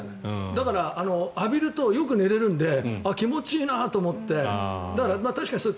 だから浴びるとよく寝られるので気持ちいいなと思って。